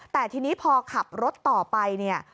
แต่ทีนี้พอขับรถต่อไปเนี่ย